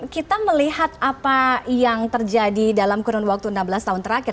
kita melihat apa yang terjadi dalam kurun waktu enam belas tahun terakhir